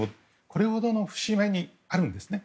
これほどの節目にあるんですね。